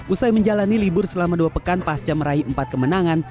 usai menjalani libur selama dua pekan pasca meraih empat kemenangan